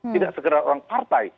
tidak sekedar orang partai